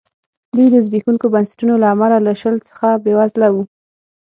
دوی د زبېښونکو بنسټونو له امله له شل څخه بېوزله وو.